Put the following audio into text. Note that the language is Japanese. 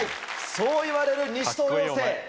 そう言われる西頭陽生。